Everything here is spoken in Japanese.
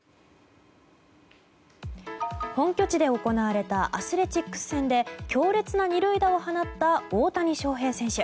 本拠地で行われたアスレチックス戦で強烈な二塁打を放った大谷翔平選手。